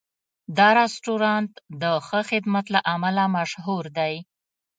دا رستورانت د ښه خدمت له امله مشهور دی.